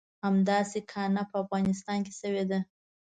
همداسې کانه په افغانستان کې شوې ده.